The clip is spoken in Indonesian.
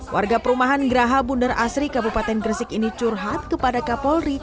warga perumahan geraha bundar asri kabupaten gresik ini curhat kepada kapolri